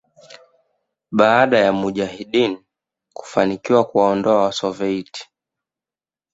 baada ya Mujahideen kufanikiwa kuwaondoa Wasoviet